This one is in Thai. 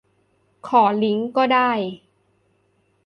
ขอลิงก์ก็ได้